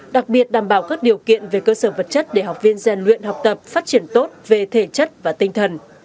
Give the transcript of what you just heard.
đặc biệt đảm bảo các điều kiện về cơ sở vật chất để học viên gian luyện học tập phát triển tốt về thể chất và tinh thần